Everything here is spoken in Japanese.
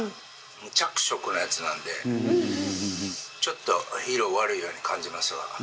無着色のやつなんで、ちょっと色悪いように感じますが。